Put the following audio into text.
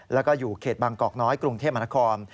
แล้วก็อยู่เขตบางกอกน้อยกรุงเทพมนาคม